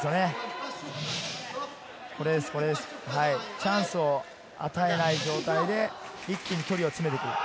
チャンスを与えない状態で、一気に距離を詰めてくる。